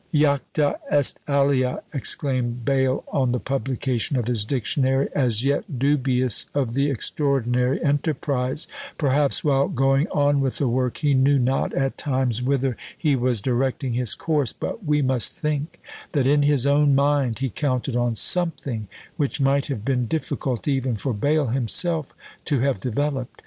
"Jacta est alea!" exclaimed Bayle, on the publication of his Dictionary, as yet dubious of the extraordinary enterprise; perhaps, while going on with the work, he knew not at times whither he was directing his course; but we must think that in his own mind he counted on something which might have been difficult even for Bayle himself to have developed.